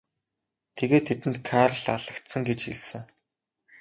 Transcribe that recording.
Тэгээд тэдэнд Карл алагдсан гэж хэлсэн.